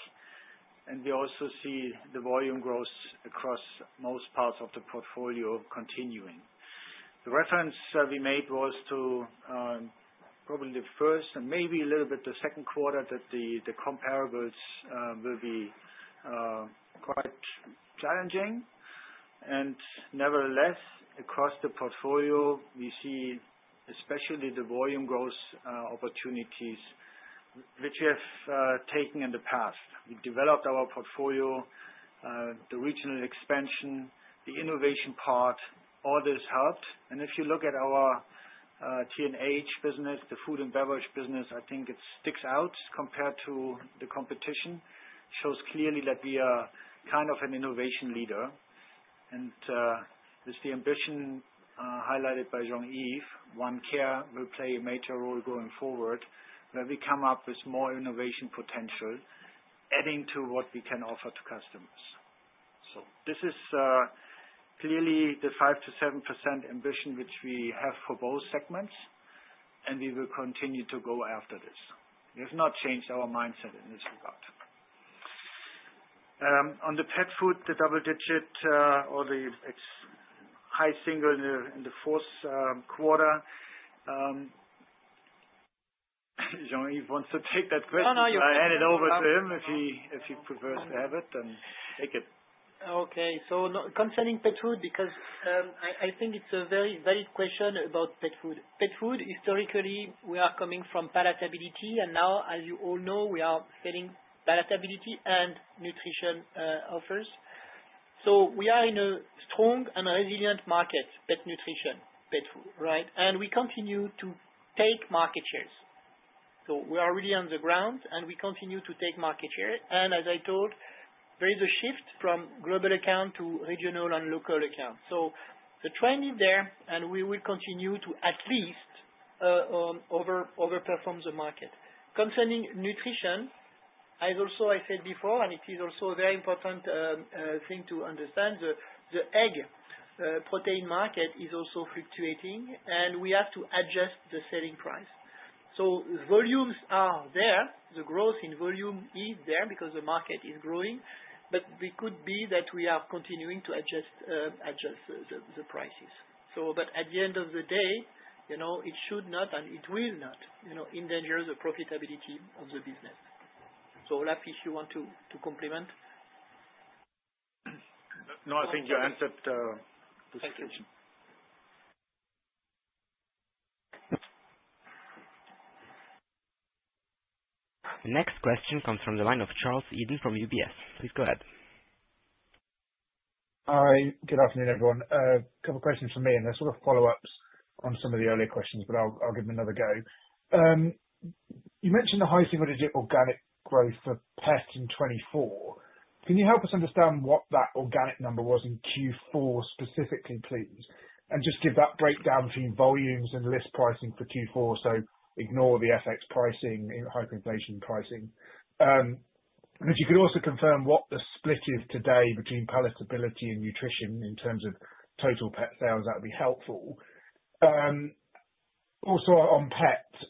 S4: and we also see the volume growth across most parts of the portfolio continuing. The reference we made was to probably the first and maybe a little bit the second quarter that the comparables will be quite challenging, and nevertheless, across the portfolio, we see especially the volume growth opportunities which we have taken in the past. We developed our portfolio, the regional expansion, the innovation part, all this helped, and if you look at our T&H business, the food and beverage business, I think it sticks out compared to the competition, shows clearly that we are kind of an innovation leader. And it's the ambition highlighted by Jean-Yves. OneCare will play a major role going forward where we come up with more innovation potential, adding to what we can offer to customers, so this is clearly the 5%-7% ambition which we have for both segments, and we will continue to go after this. We have not changed our mindset in this regard. On the Pet Food, the double-digit or the high single in the fourth quarter, Jean-Yves wants to take that question.
S3: No, no. You're fine.
S4: I'll hand it over to him if he prefers to have it, then take it.
S3: Okay. So concerning Pet Food, because I think it's a very valid question about Pet Food. Pet food, historically, we are coming from palatability, and now, as you all know, we are selling palatability and nutrition offers. So we are in a strong and resilient market, pet nutrition, Pet Food, right? And we continue to take market shares. So we are really on the ground, and we continue to take market share. And as I told, there is a shift from global account to regional and local account. So the trend is there, and we will continue to at least overperform the market. Concerning nutrition, as also I said before, and it is also a very important thing to understand, the egg protein market is also fluctuating, and we have to adjust the selling price. So volumes are there. The growth in volume is there because the market is growing, but it could be that we are continuing to adjust the prices. But at the end of the day, it should not, and it will not endanger the profitability of the business. So Olaf, if you want to complement.
S4: No, I think you answered the question.
S1: The next question comes from the line of Charles Eden from UBS. Please go ahead.
S8: Hi. Good afternoon, everyone. A couple of questions from me, and they're sort of follow-ups on some of the earlier questions, but I'll give them another go. You mentioned the high single-digit organic growth for pet in 2024. Can you help us understand what that organic number was in Q4 specifically, please? And just give that breakdown between volumes and list pricing for Q4, so ignore the FX pricing, hyperinflation pricing. But if you could also confirm what the split is today between palatability and nutrition in terms of total pet sales, that would be helpful. Also on pets,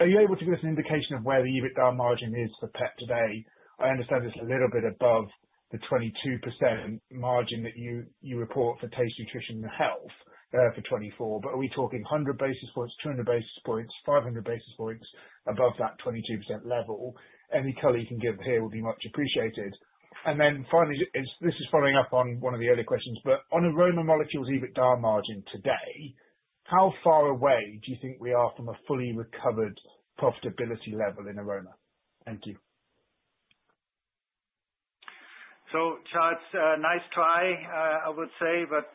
S8: are you able to give us an indication of where the EBITDA margin is for pet today? I understand it's a little bit above the 22% margin that you report for taste, nutrition, and health for 2024, but are we talking 100 basis points, 200 basis points, 500 basis points above that 22% level? Any color you can give here would be much appreciated. Then finally, this is following up on one of the earlier questions, but on aroma molecules' EBITDA margin today, how far away do you think we are from a fully recovered profitability level in aroma? Thank you.
S4: So Charles, nice try, I would say, but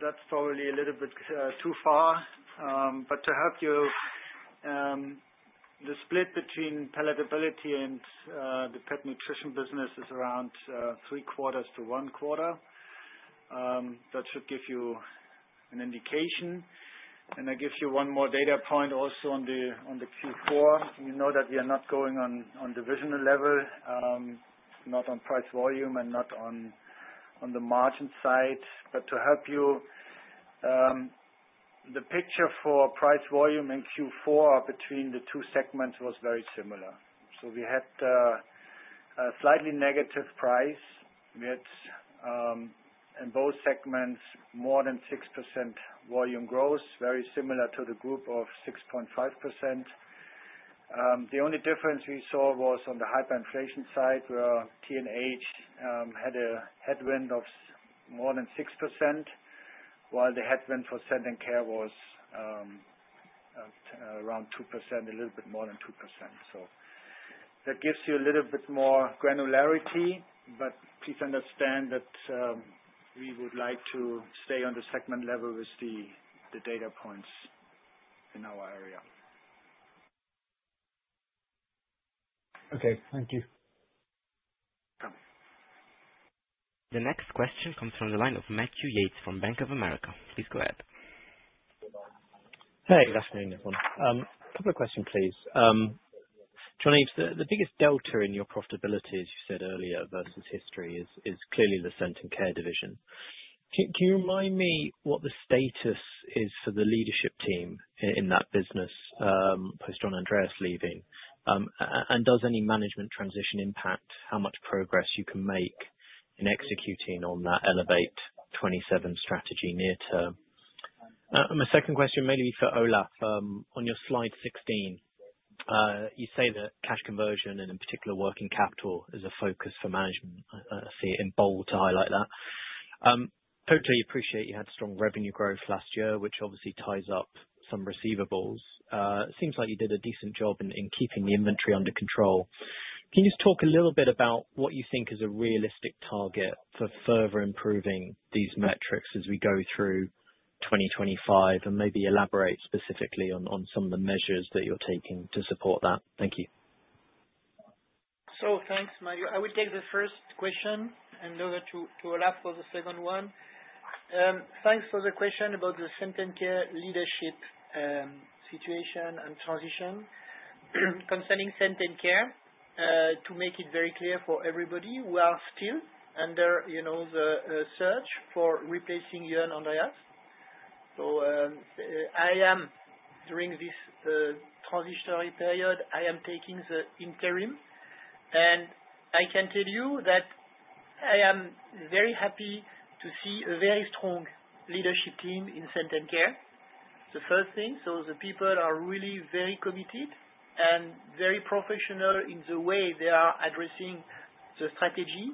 S4: that's probably a little bit too far. But to help you, the split between palatability and the pet nutrition business is around three-quarters to one-quarter. That should give you an indication. And I give you one more data point also on the Q4. You know that we are not going on divisional level, not on price volume, and not on the margin side. But to help you, the picture for price volume in Q4 between the two segments was very similar. So we had a slightly negative price. We had, in both segments, more than 6% volume growth, very similar to the group of 6.5%. The only difference we saw was on the hyperinflation side where T&H had a headwind of more than 6%, while the headwind for Scent & Care was around 2%, a little bit more than 2%. So that gives you a little bit more granularity, but please understand that we would like to stay on the segment level with the data points in our area.
S8: Okay. Thank you.
S1: The next question comes from the line of Matthew Yates from Bank of America. Please go ahead.
S9: Hey. Good afternoon, everyone. A couple of questions, please. Jean-Yves, the biggest delta in your profitability, as you said earlier versus history, is clearly the Scent & Care division. Can you remind me what the status is for the leadership team in that business post-Jörn Andreas leaving? And does any management transition impact how much progress you can make in executing on that Elevate 27 strategy near-term? And my second question may be for Olaf. On your slide 16, you say that cash conversion and, in particular, working capital is a focus for management. I see it in bold to highlight that. Hopefully, you appreciate you had strong revenue growth last year, which obviously ties up some receivables. It seems like you did a decent job in keeping the inventory under control. Can you just talk a little bit about what you think is a realistic target for further improving these metrics as we go through 2025 and maybe elaborate specifically on some of the measures that you are taking to support that? Thank you.
S3: So thanks, Mario. I would take the first question and leave it to Olaf for the second one. Thanks for the question about the Scent & Care leadership situation and transition. Concerning Scent & Care, to make it very clear for everybody, we are still under the search for replacing Jörn Andreas, so during this transitional period, I am taking the interim, and I can tell you that I am very happy to see a very strong leadership team in Scent & Care. The first thing, so the people are really very committed and very professional in the way they are addressing the strategy,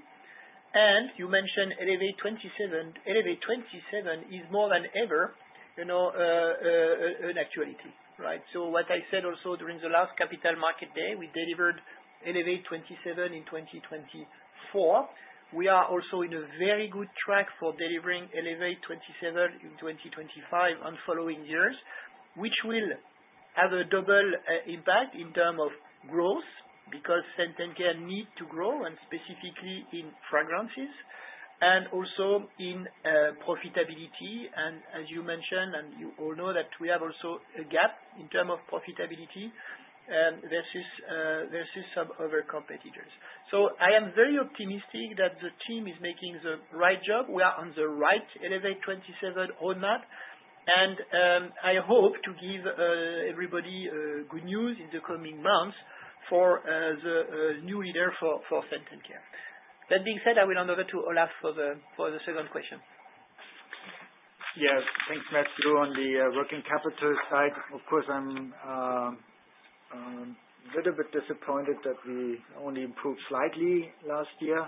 S3: and you mentioned Elevate 27. Elevate 27 is more than ever an actuality, right, so what I said also during the last capital market day, we delivered Elevate 27 in 2024. We are also in a very good track for delivering Elevate 27 in 2025 and following years, which will have a double impact in terms of growth because Scent & Care need to grow, and specifically in fragrances and also in profitability. And as you mentioned, and you all know that we have also a gap in terms of profitability versus some other competitors. So I am very optimistic that the team is making the right job. We are on the right Elevate 27 roadmap, and I hope to give everybody good news in the coming months for the new leader for Scent & Care. That being said, I will hand over to Olaf for the second question.
S4: Yes. Thanks, Matt. On the working capital side, of course, I'm a little bit disappointed that we only improved slightly last year.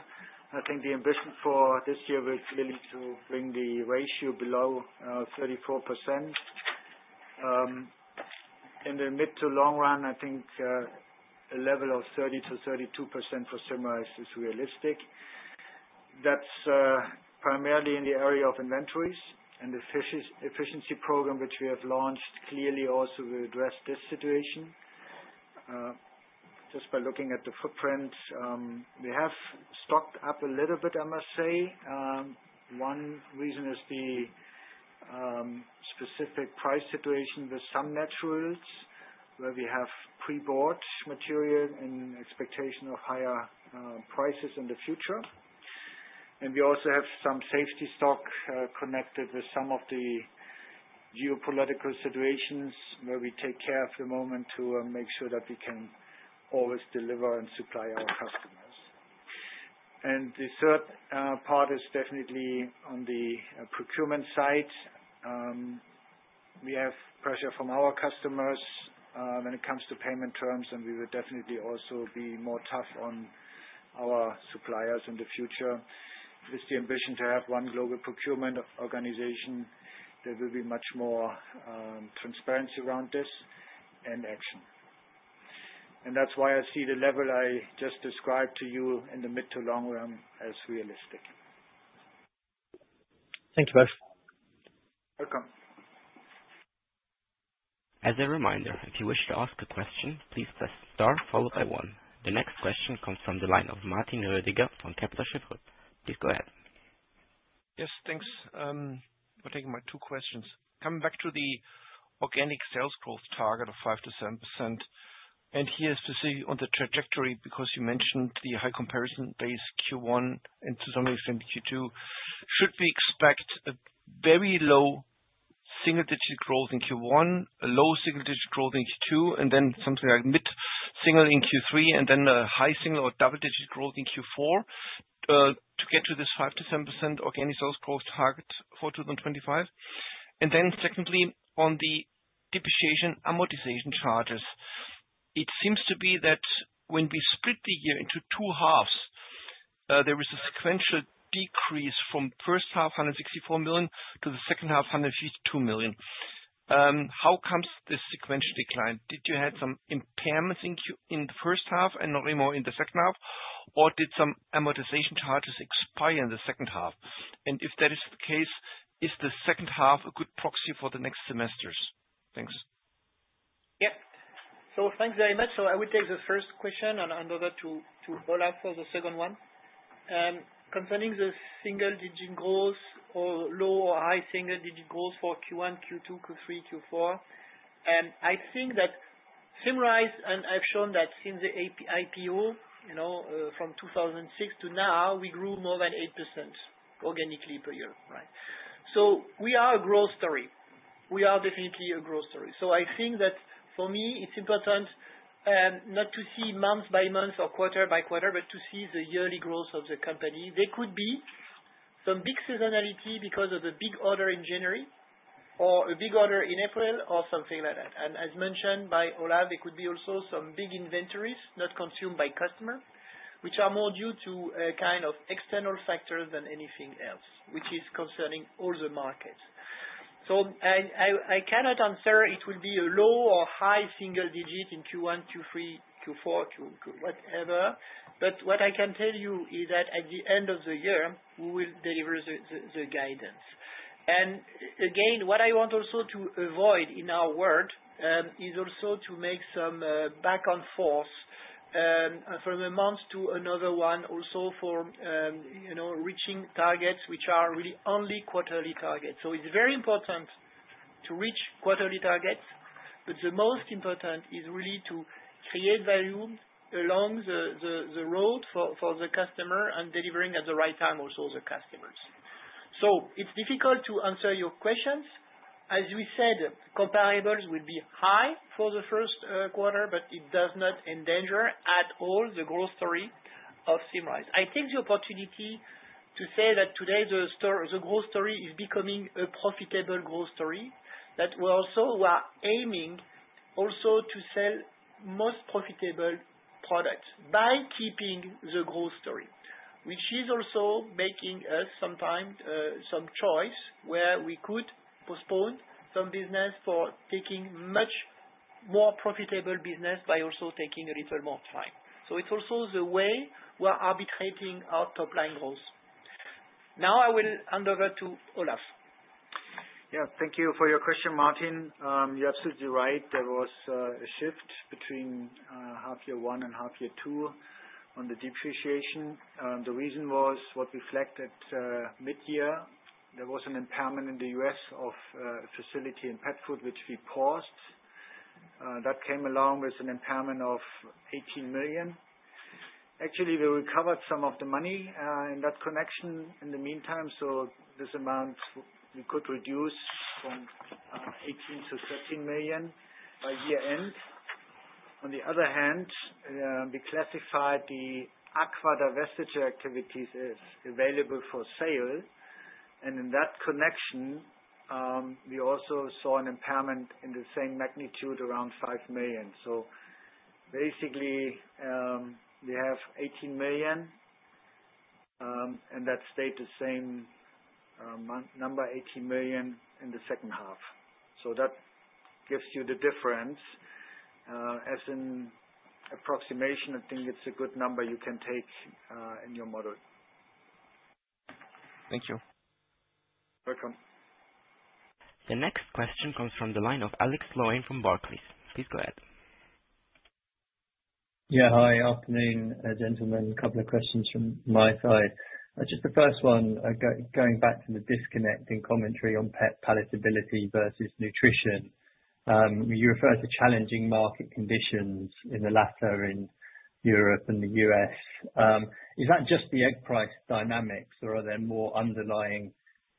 S4: I think the ambition for this year was really to bring the ratio below 34%. In the mid to long run, I think a level of 30%-32% for similars is realistic. That's primarily in the area of inventories and the efficiency program which we have launched. Clearly, also, we addressed this situation. Just by looking at the footprint, we have stocked up a little bit, I must say. One reason is the specific price situation with some naturals, where we have pre-bought material in expectation of higher prices in the future. And we also have some safety stock connected with some of the geopolitical situations where we take care at the moment to make sure that we can always deliver and supply our customers. And the third part is definitely on the procurement side. We have pressure from our customers when it comes to payment terms, and we will definitely also be more tough on our suppliers in the future. It is the ambition to have one global procurement organization that will be much more transparent around this and action. And that's why I see the level I just described to you in the mid to long run as realistic.
S9: Thank you, Mario.
S3: Welcome.
S1: As a reminder, if you wish to ask a question, please press star followed by one. The next question comes from the line of Martin Roediger from Kepler Cheuvreux. Please go ahead.
S10: Yes. Thanks.I'm taking my two questions. Coming back to the organic sales growth target of 5%-7%, and here specifically on the trajectory because you mentioned the high comparison base Q1 and to some extent Q2, should we expect a very low single-digit growth in Q1, a low single-digit growth in Q2, and then something like mid-single in Q3, and then a high single or double-digit growth in Q4 to get to this 5%-7% organic sales growth target for 2025? And then secondly, on the depreciation and amortization charges, it seems to be that when we split the year into two halves, there was a sequential decrease from first half 164 million to the second half 152 million. How come this sequential decline? Did you have some impairments in the first half and not anymore in the second half, or did some amortization charges expire in the second half? And if that is the case, is the second half a good proxy for the next semesters? Thanks.
S3: Yep. So thanks very much. So I will take the first question and hand over to Olaf for the second one. Concerning the single-digit growth or low or high single-digit growth for Q1, Q2, Q3, Q4, I think that similar, and I've shown that since the IPO from 2006 to now, we grew more than 8% organically per year, right? So we are a growth story. We are definitely a growth story. So I think that for me, it's important not to see month by month or quarter by quarter, but to see the yearly growth of the company. There could be some big seasonality because of the big order in January or a big order in April or something like that. And as mentioned by Olaf, there could be also some big inventories not consumed by customers, which are more due to a kind of external factor than anything else, which is concerning all the markets. So I cannot answer it will be a low or high single-digit in Q1, Q3, Q4, Q whatever, but what I can tell you is that at the end of the year, we will deliver the guidance. And again, what I want also to avoid in our work is also to make some back-and-forth from a month to another one also for reaching targets which are really only quarterly targets. So it's very important to reach quarterly targets, but the most important is really to create value along the road for the customer and delivering at the right time also to the customers. So it's difficult to answer your questions. As we said, comparables will be high for the first quarter, but it does not endanger at all the growth story of Symrise. I take the opportunity to say that today the growth story is becoming a profitable growth story that we also are aiming also to sell most profitable products by keeping the growth story, which is also making us sometimes some choice where we could postpone some business for taking much more profitable business by also taking a little more time. So it's also the way we are arbitrating our top-line growth. Now I will hand over to Olaf.
S4: Yeah. Thank you for your question, Martin. You're absolutely right. There was a shift between half-year one and half-year two on the depreciation. The reason was what we flagged at mid-year. There was an impairment in the U.S. of facility and Pet Food, which we paused. That came along with an impairment of 18 million. Actually, we recovered some of the money in that connection in the meantime. So this amount, we could reduce from 18 million to 13 million by year-end. On the other hand, we classified the aqua divestiture activities as available for sale. And in that connection, we also saw an impairment in the same magnitude around 5 million. So basically, we have 18 million, and that stayed the same number, 18 million in the second half. So that gives you the difference. As an approximation, I think it's a good number you can take in your model.
S10: Thank you.
S3: Welcome.
S1: The next question comes from the line of Alex Sloane from Barclays.
S11: Please go ahead. Yeah. Hi. Afternoon, gentlemen. A couple of questions from my side. Just the first one, going back to the disconnect in commentary on pet palatability versus nutrition, you refer to challenging market conditions in the latter in Europe and the U.S. Is that just the egg price dynamics, or are there more underlying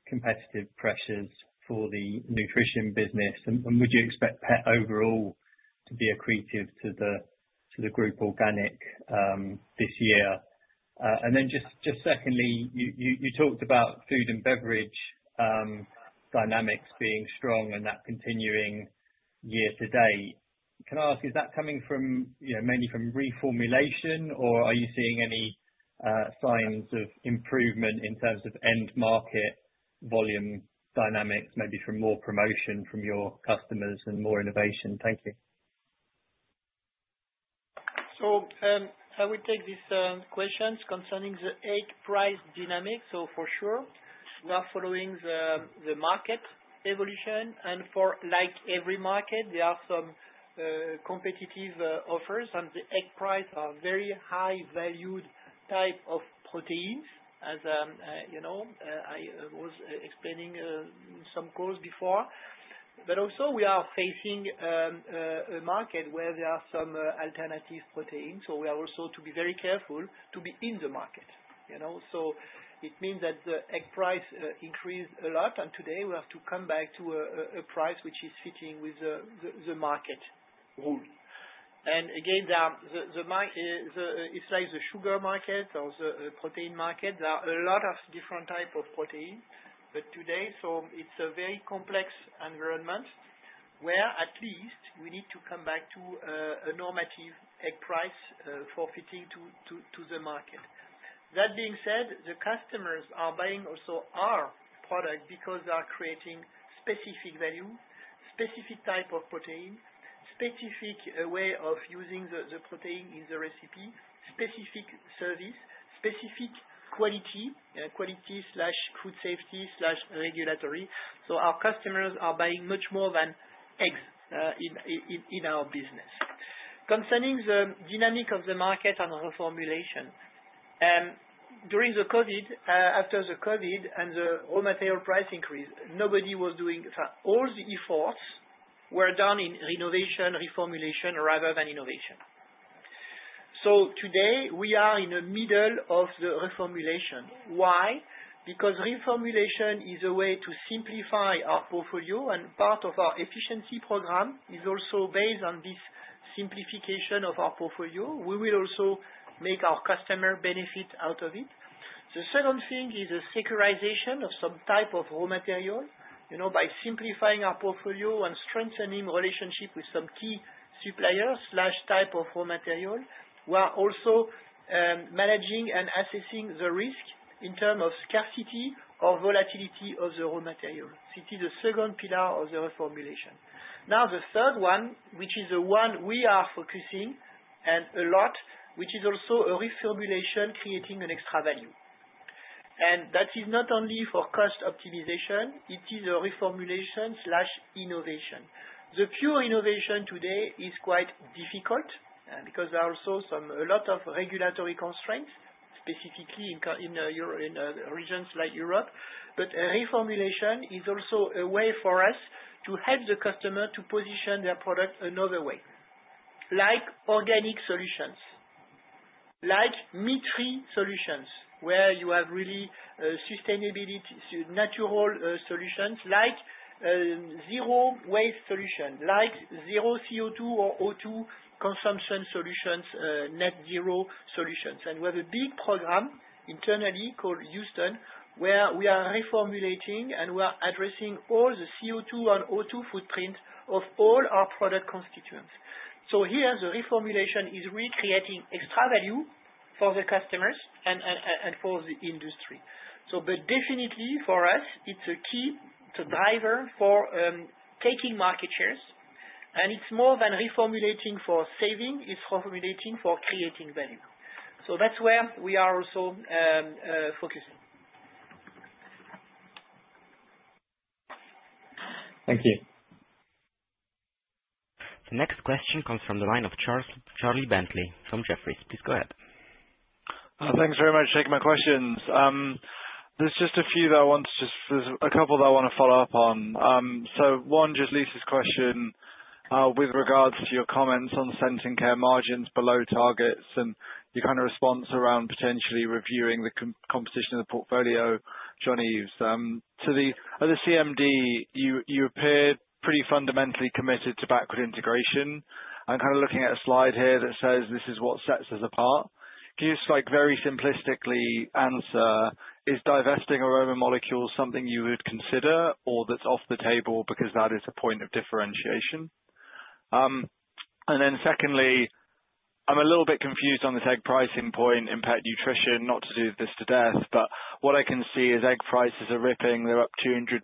S11: competitive pressures for the nutrition business? And would you expect pet overall to be accretive to the group organic this year? And then just secondly, you talked about food and beverage dynamics being strong and that continuing year to date. Can I ask, is that coming mainly from reformulation, or are you seeing any signs of improvement in terms of end-market volume dynamics, maybe from more promotion from your customers and more innovation? Thank you.
S3: So I will take these questions concerning the egg price dynamic. So for sure, we are following the market evolution. And for like every market, there are some competitive offers, and the egg price are very high-valued type of proteins, as I was explaining in some calls before. But also, we are facing a market where there are some alternative proteins. So we are also to be very careful to be in the market. So it means that the egg price increased a lot, and today, we have to come back to a price which is fitting with the market rule. And again, it's like the sugar market or the protein market. There are a lot of different types of protein, but today, so it's a very complex environment where at least we need to come back to a normative egg price for fitting to the market. That being said, the customers are buying also our product because they are creating specific value, specific type of protein, specific way of using the protein in the recipe, specific service, specific quality, quality/food safety/regulatory, so our customers are buying much more than eggs in our business. Concerning the dynamic of the market and reformulation, during the COVID, after the COVID and the raw material price increase, nobody was doing. All the efforts were done in renovation, reformulation rather than innovation, so today, we are in the middle of the reformulation. Why? Because reformulation is a way to simplify our portfolio, and part of our efficiency program is also based on this simplification of our portfolio. We will also make our customer benefit out of it. The second thing is a securing of some type of raw material by simplifying our portfolio and strengthening relationship with some key suppliers of type of raw material. We are also managing and assessing the risk in terms of scarcity or volatility of the raw material. It is the second pillar of the reformulation. Now, the third one, which is the one we are focusing on a lot, which is also a reformulation creating an extra value, and that is not only for cost optimization. It is a reformulation innovation. The pure innovation today is quite difficult because there are also a lot of regulatory constraints, specifically in regions like Europe. But reformulation is also a way for us to help the customer to position their product another way, like organic solutions, like meat-free solutions, where you have really sustainability, natural solutions, like zero-waste solutions, like zero CO2 or O2 consumption solutions, net-zero solutions, and we have a big program internally called Houston where we are reformulating, and we are addressing all the CO2 and O2 footprint of all our product constituents. So here, the reformulation is really creating extra value for the customers and for the industry, but definitely, for us, it's a key driver for taking market shares, and it's more than reformulating for saving. It's reformulating for creating value, so that's where we are also focusing.
S11: Thank you.
S1: The next question comes from the line of Charlie Bentley from Jefferies. Please go ahead.
S12: Thanks very much for taking my questions. There's a couple that I want to follow up on. One, just Lisa's question with regards to your comments on Scent & Care margins below targets and your kind of response around potentially reviewing the composition of the portfolio. Jean-Yves, to the other CMD, you appeared pretty fundamentally committed to backward integration. I'm kind of looking at a slide here that says this is what sets us apart. Can you just very simplistically answer, is divesting aroma molecules something you would consider or that's off the table because that is a point of differentiation? And then secondly, I'm a little bit confused on this egg pricing point in pet nutrition, not to do this to death, but what I can see is egg prices are ripping. They're up 200%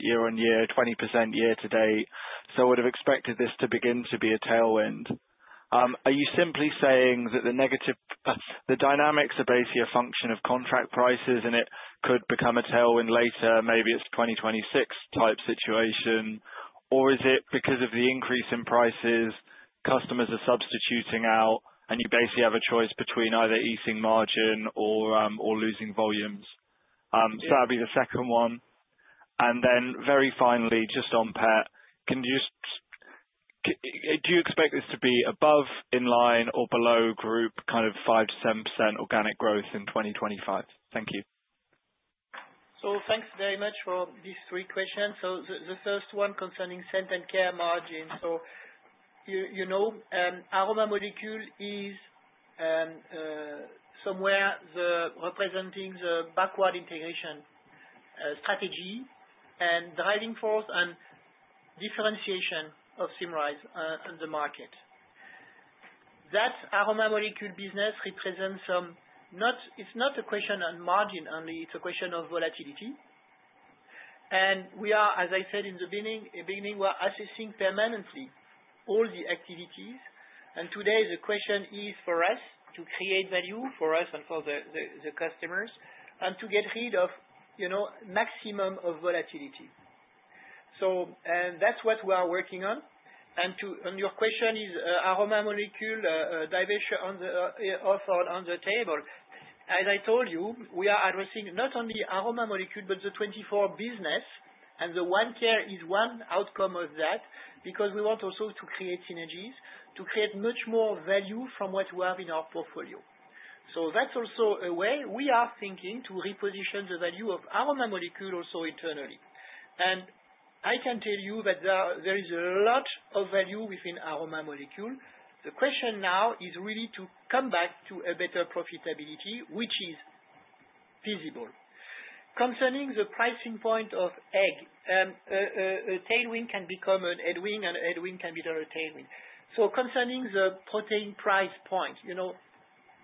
S12: year-on-year, 20% year to date. So I would have expected this to begin to be a tailwind. Are you simply saying that the dynamics are basically a function of contract prices and it could become a tailwind later? Maybe it's a 2026-type situation. Or is it because of the increase in prices, customers are substituting out, and you basically have a choice between either easing margin or losing volumes? So that would be the second one. And then very finally, just on pet, do you expect this to be above, in line, or below group kind of 5%-7% organic growth in 2025? Thank you.
S3: So thanks very much for these three questions. So the first one concerning Scent & Care margin. So Aroma Molecules is somewhere representing the backward integration strategy and driving force and differentiation of Symrise's in the market. That Aroma Molecules business represents some. It's not a question on margin only. It's a question of volatility, and we are, as I said in the beginning, we are assessing permanently all the activities, and today, the question is for us to create value for us and for the customers and to get rid of maximum of volatility, so that's what we are working on, and your question is aroma molecule divestiture offered on the table. As I told you, we are addressing not only aroma molecule, but the Scent & Care business, and the OneCare is one outcome of that because we want also to create synergies to create much more value from what we have in our portfolio, so that's also a way we are thinking to reposition the value of aroma molecule also internally. I can tell you that there is a lot of value within aroma molecule. The question now is really to come back to a better profitability, which is feasible. Concerning the pricing point of egg, a tailwind can become an headwind, and a headwind can become a tailwind. So concerning the protein price point,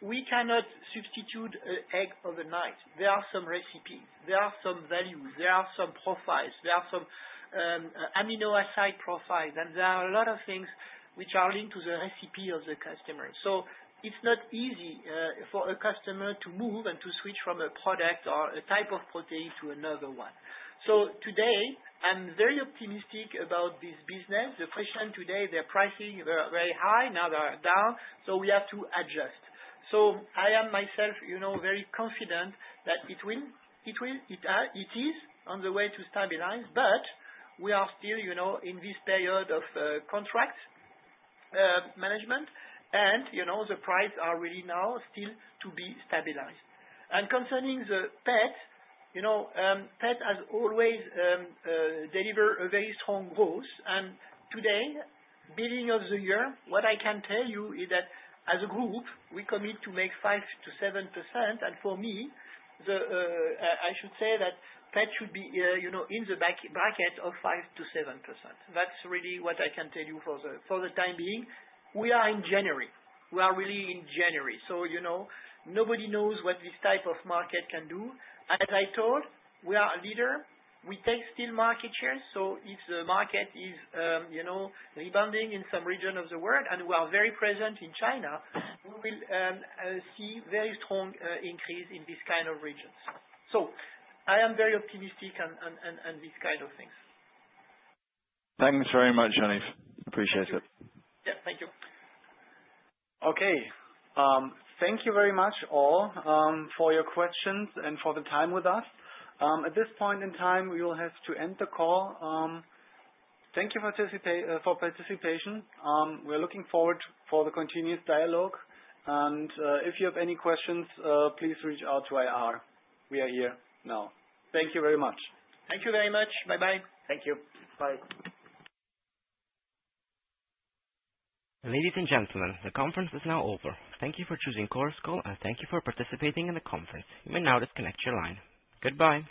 S3: we cannot substitute an egg overnight. There are some recipes. There are some values. There are some profiles. There are some amino acid profiles. And there are a lot of things which are linked to the recipe of the customer. So it's not easy for a customer to move and to switch from a product or a type of protein to another one. So today, I'm very optimistic about this business. The question today, their pricing were very high. Now they're down. So we have to adjust. I am myself very confident that it is on the way to stabilize, but we are still in this period of contract management, and the prices are really now still to be stabilized. Concerning the pet, pet has always delivered a very strong growth. Today, beginning of the year, what I can tell you is that as a group, we commit to make 5%-7%. For me, I should say that pet should be in the bracket of 5%-7%. That's really what I can tell you for the time being. We are in January. We are really in January. Nobody knows what this type of market can do. I told, we are a leader. We take still market shares. So if the market is rebounding in some region of the world, and we are very present in China, we will see a very strong increase in these kind of regions. So I am very optimistic on these kind of things.
S12: Thanks very much, Jean-Yves. Appreciate it.
S3: Yeah. Thank you.
S2: Okay. Thank you very much all for your questions and for the time with us. At this point in time, we will have to end the call. Thank you for participation. We're looking forward to the continuous dialogue. And if you have any questions, please reach out to IR. We are here now. Thank you very much.
S3: Thank you very much. Bye-bye.
S4: Thank you. Bye.
S1: Ladies and gentlemen, the conference is now over. Thank you for choosing Chorus Call, and thank you for participating in the conference. You may now disconnect your line. Goodbye.